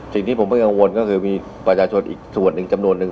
สิ่งที่ผมไม่กังวลก็คือมีประชาชนอีกส่วนหนึ่งจำนวนหนึ่ง